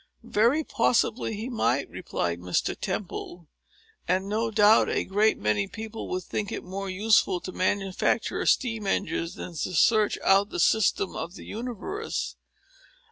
"Very possibly he might," replied Mr. Temple; "and, no doubt, a great many people would think it more useful to manufacture steam engines, than to search out the system of the universe.